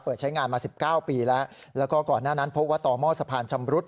เปิดใช้งานมา๑๙ปีแล้วแล้วก็ก่อนหน้านั้นพบวัตตมสะพานชำรุษ